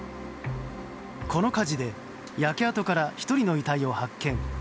この火事で焼け跡から１人の遺体を発見。